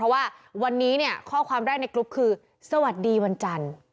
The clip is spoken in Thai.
เพราะว่าวันนี้เนี่ยข้อความแรกในกรุ๊ปคือสวัสดีวันจันทร์